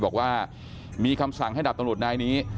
บอกว่ามีคำสั่งให้ดับตนวดในนี้